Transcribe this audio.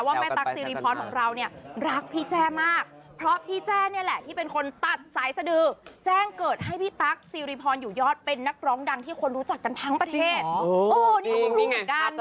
คุณโชนตัดเต็มให้สมกับชื่อคอนเซิร์ตที่ว่าที่สุดของเพลงแจ๊ดศิษยาปินที่คุณแสนรักร้องเพลงดันนุพนแก้วการนะลองไปฟังเสียงก่อนหน่อยค่ะ